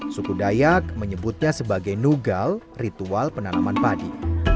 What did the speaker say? suku dayak menyebutnya sebagai nugal ritual penanaman padi